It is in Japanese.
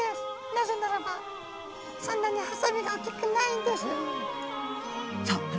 なぜならばそんなにハサミが大きくないんです」。